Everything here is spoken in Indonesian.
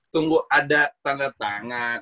tunggu ada tanda tangan